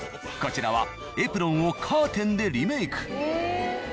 こちらはエプロンをカーテンでリメーク。